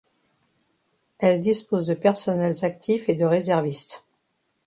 Elle dispose de personnels actifs et de réservistes.